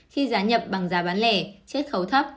khi giá nhập bằng giá bán lẻ chất khấu thấp